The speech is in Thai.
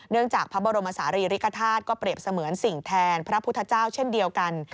จากพระบรมศาลีริกฐาตุก็เปรียบเสมือนสิ่งแทนพระพุทธเจ้าเช่นเดียวกัน